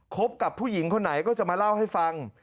บกับผู้หญิงคนไหนก็จะมาเล่าให้ฟัง